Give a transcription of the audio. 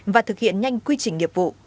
và thực hiện nhanh quy trình nghiệp vụ